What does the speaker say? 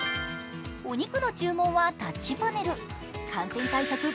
お肉の注文はタッチパネル、感染対策